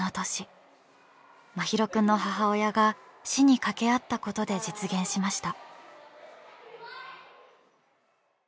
真浩くんの母親が市に掛け合ったことで実現しました。